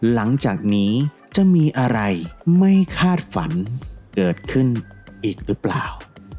หลังจากนี้จะมีอะไรไม่คาดฝันเกิดขึ้นอีกหรือเปล่า